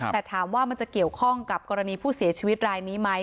แต่ถามว่ามันจะเกี่ยวข้องกับกรณีผู้เสียชีวิตรายนี้ไหม